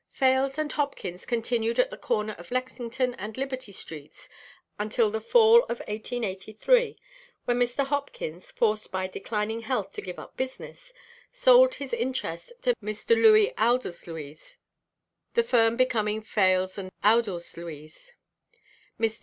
Fales & Hopkins continued at the corner of Lexington and Liberty streets until the fall of 1883, when Mr. Hopkins, forced by declining health to give up business, sold his interest to Mr. Louis Oudesluys, the firm becoming Fales & Oudesluys. Mr.